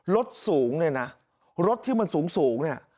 รถสูงเนี่ยนะรถที่มันสูงเนี่ย